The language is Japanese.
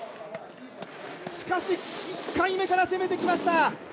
しかし１回目から攻めてきました。